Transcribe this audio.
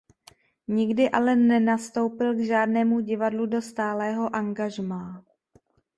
Nikdy ale nenastoupil k žádnému divadlu do stálého angažmá.